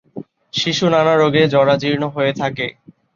শিশু নানা রোগে জরাজীর্ণ হয়ে থাকে।